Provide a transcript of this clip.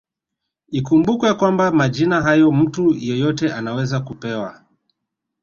Ikumbukwe kwamba majina hayo mtu yeyote anaweza kupewa